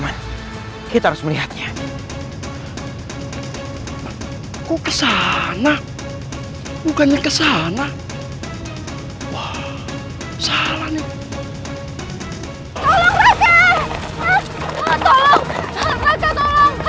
akhirnya aku bertemu denganmu